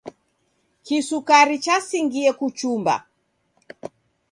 Kisukari chasingie kuchumba.